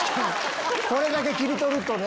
これだけ切り取るとね。